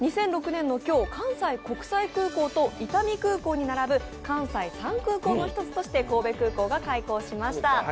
２００６年の今日、関西国際空港と伊丹空港に並ぶ関西三空港の一つとして神戸空港が開港しました。